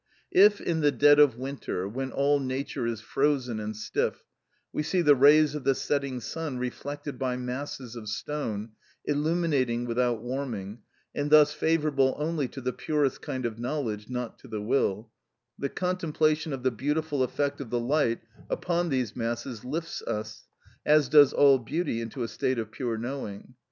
If, in the dead of winter, when all nature is frozen and stiff, we see the rays of the setting sun reflected by masses of stone, illuminating without warming, and thus favourable only to the purest kind of knowledge, not to the will; the contemplation of the beautiful effect of the light upon these masses lifts us, as does all beauty, into a state of pure knowing.